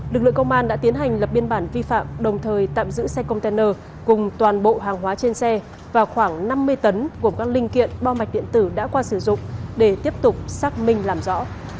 lực lượng công an đã tiến hành lập biên bản vi phạm đồng thời tạm giữ xe container cùng toàn bộ hàng hóa trên xe và khoảng năm mươi tấn gồm các linh kiện bo mạch điện tử đã qua sử dụng để tiếp tục xác minh làm rõ